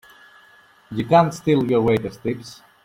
You can't steal your waiters' tips!